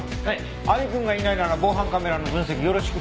亜美君がいないなら防犯カメラの分析よろしく。